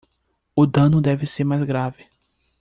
O dano deve ser mais grave